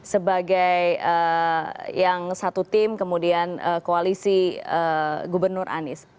sebagai yang satu tim kemudian koalisi gubernur anies